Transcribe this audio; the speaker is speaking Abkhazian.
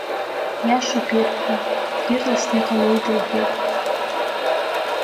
Иашоуп ирҳәо, ирласны иҟалоит лҳәеит.